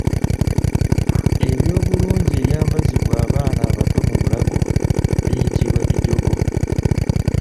Eby’obulungi ebyambazibwa abaana abato mu bulago biyitibwa bijogo.